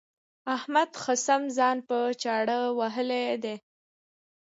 احمد ښه سم ځان په چاړه وهلی دی.